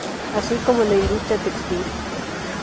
Así como la industria textil.